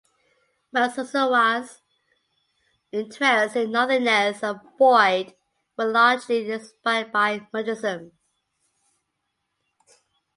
Matsuzawa’s interests in nothingness and void were largely inspired by Buddhism.